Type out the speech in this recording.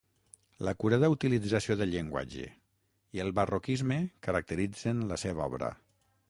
L'acurada utilització del llenguatge i el barroquisme caracteritzen la seva obra.